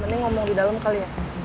mending ngomong di dalam kali ya